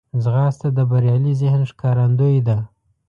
ځغاسته د بریالي ذهن ښکارندوی ده